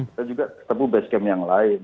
kita juga ketemu basecam yang lain